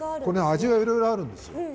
味はいろいろあるんですよ。